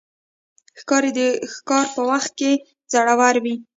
ښکاري د ښکار په وخت کې زړور وي.